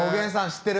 知ってる？